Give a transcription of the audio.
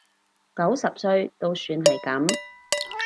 九十歲都算係噉